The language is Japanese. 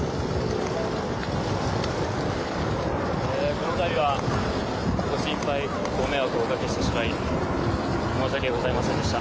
このたびは、ご心配ご迷惑をおかけしてしまい申し訳ございませんでした。